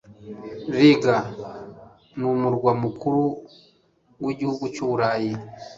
Riga Numurwa mukuru wigihugu cyu Burayi